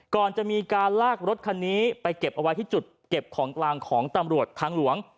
ก่อนจะมีการลากรถคันนี้ไปเก็บเอาไว้ที่จุดเก็บของกลางของตำรวจทางหลวง